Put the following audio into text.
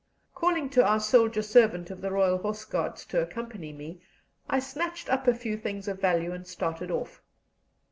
Calling to our soldier servant of the Royal Horse Guards to accompany me, I snatched up a few things of value and started off.